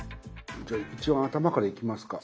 じゃあ一番頭からいきますか。